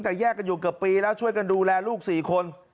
แต่แยกกันอยู่เกือบปีแล้วช่วยกันดูแลลูก๔คน